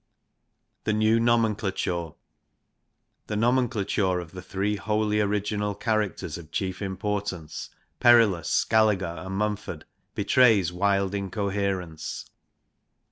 The new nomenclature. The nomenclature of the three wholly original characters of chief importance, Perillus,, Skalliger and Mumford, betrays wild incoherence.